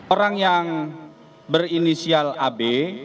orang yang berinisial ab